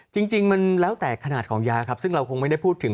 จริงมันแล้วแต่ขนาดของยาครับซึ่งเราคงไม่ได้พูดถึง